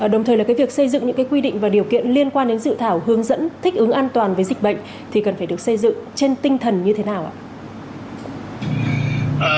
đồng thời là việc xây dựng những quy định và điều kiện liên quan đến dự thảo hướng dẫn thích ứng an toàn với dịch bệnh thì cần phải được xây dựng trên tinh thần như thế nào ạ